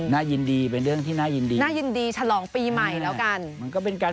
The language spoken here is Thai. น่ายินดีเป็นเรื่องที่น่ายินดีชะลองปีใหม่แล้วกันก็เป็นการ